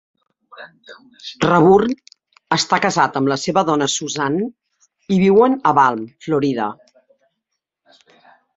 Raburn està casat amb la seva dona Suzanne i viuen a Balm, Florida.